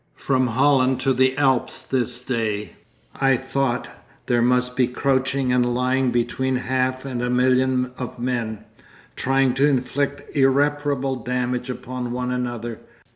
'"From Holland to the Alps this day," I thought, "there must be crouching and lying between half and a million of men, trying to inflict irreparable damage upon one another.